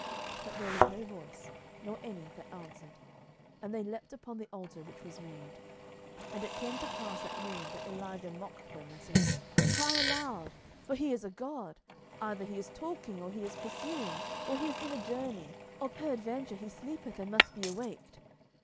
But there was no voice, nor any that answered. And they leaped upon the altar which was made. 11:018:027 And it came to pass at noon, that Elijah mocked them, and said, Cry aloud: for he is a god; either he is talking, or he is pursuing, or he is in a journey, or peradventure he sleepeth, and must be awaked.